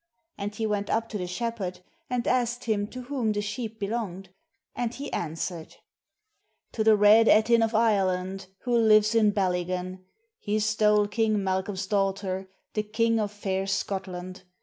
And he went up to the shepherd and asked him to whom the sheep belonged ; and he an swered : "To the Red Ettin of Ireland Who lives in Ballygan, He stole King Malcolm's daughter, The king of fair Scotland.